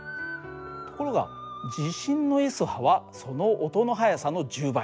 ところが地震のＳ波はその音の速さの１０倍。